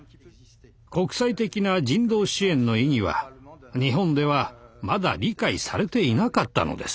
国際的な人道支援の意義は日本ではまだ理解されていなかったのです。